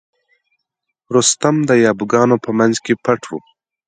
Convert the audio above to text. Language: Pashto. رستم د یابو ګانو په منځ کې پټ و.